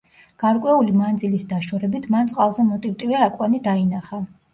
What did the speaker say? გარკვეული მანძილის დაშორებით, მან წყალზე მოტივტივე აკვანი დაინახა.